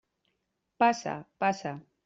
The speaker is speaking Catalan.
Passa, passa.